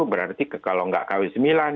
berarti kalau tidak kawi semilan